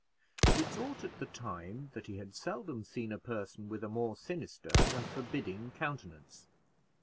He thought at the time that he had seldom seen a person with a more sinister and forbidding countenance.